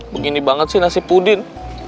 begini banget sih nasi pudin